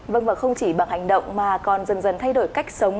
vâng và không chỉ bằng hành động mà còn dần dần thay đổi cách sống